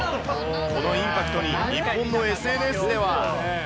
このインパクトに、日本のＳＮＳでは。